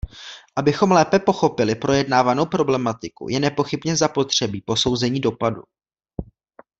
Abychom lépe pochopili projednávanou problematiku, je nepochybně zapotřebí posouzení dopadu.